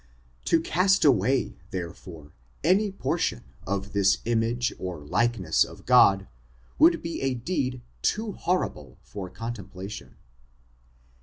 To cast away, therefore, any portion of this image or likeness of God, would be a deed too horrible for contemplation.